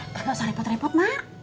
nggak usah repot repot mak